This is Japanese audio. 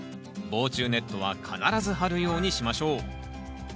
防虫ネットは必ず張るようにしましょう。